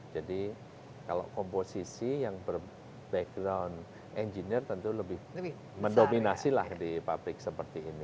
jadi kalau komposisi yang ber background engineer tentu lebih mendominasi lah di pabrik seperti ini